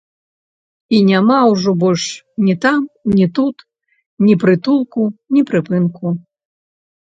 І няма ўжо больш ні там ні тут ні прытулку, ні прыпынку.